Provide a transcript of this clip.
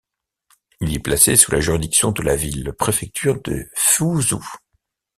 Il est placé sous la juridiction de la ville-préfecture de Fuzhou.